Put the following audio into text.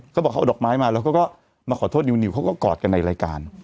เขาบอกเขาเอาดอกไม้มาแล้วเขาก็มาขอโทษนิวเขาก็กอดกันในรายการ